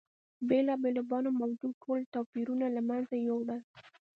بېلا بېلو بڼو موجود ټول توپیرونه یې له منځه یوړل.